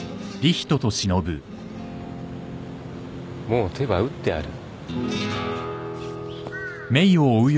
もう手は打ってある。